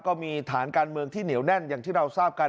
ก็มีฐานการเมืองที่เหนียวแน่นอย่างที่เราทราบกัน